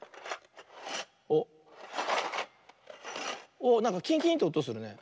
おなんかキンキンっておとするね。